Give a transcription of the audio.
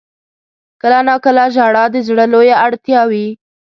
• کله ناکله ژړا د زړه لویه اړتیا وي.